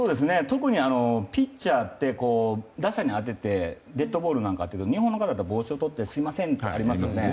特にピッチャーって打者に当ててデッドボールとか日本の方だと帽子をとってすみませんってありますよね。